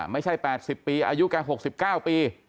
ไม่ใช่๘๐ปีอายุแก๖๙ปี